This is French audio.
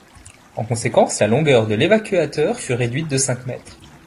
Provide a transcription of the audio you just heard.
En conséquence, la longueur de l’évacuateur fut réduite de cinq mètres.